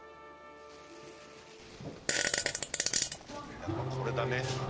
やっぱこれだね。